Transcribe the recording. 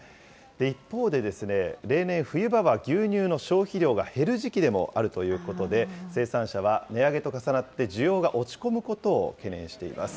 一方で、例年、冬場は牛乳の消費量が減る時期でもあるということで、生産者は値上げと重なって需要が落ち込むことを懸念しています。